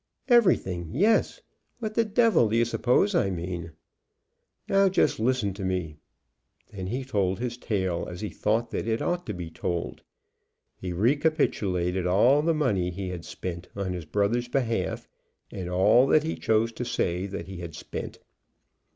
"Everything; yes. What the devil do you suppose I mean? Now just listen to me." Then he told his tale as he thought that it ought to be told. He recapitulated all the money he had spent on his brother's behalf, and all that he chose to say that he had spent.